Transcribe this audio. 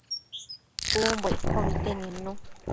umbo iccobi que nidnu